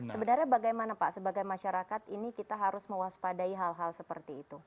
sebenarnya bagaimana pak sebagai masyarakat ini kita harus mewaspadai hal hal seperti itu